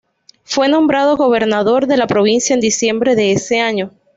Fue nombrado gobernador de la provincia en diciembre de ese año.